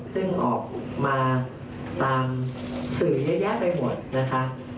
ซึ่งออกมาตามสื่อเยอะแยะไปหมดนะคะ